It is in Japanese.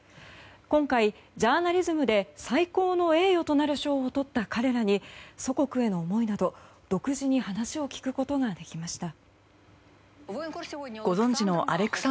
今回、ジャーナリズムで最高の栄誉となる賞を取った彼らに祖国への思いなど、独自に話を聞くことができました。